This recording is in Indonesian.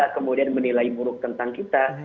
kemudian menilai buruk tentang kita